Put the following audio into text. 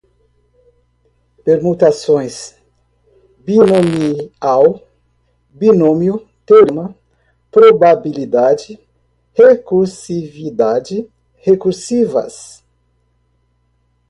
fatorial, combinatória, permutações, binomial, binômio, teorema, probabilidade, recursividade, recursivas